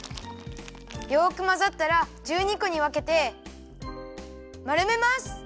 よくまざったら１２こにわけてまるめます。